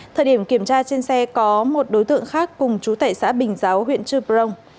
trên đường kiểm tra trên xe có một đối tượng khác cùng chú tẩy xã bình giáo huyện trư brong